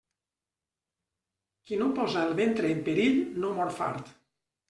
Qui no posa el ventre en perill, no mor fart.